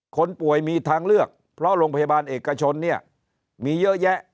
คนป่วยมีทางเลือกเพราะโรงพยาบาลเอกชนเนี่ยมีเยอะแยะ